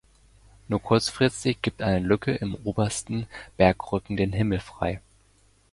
Nur kurzfristig gibt eine Lücke im obersten Bergrücken den Himmel frei.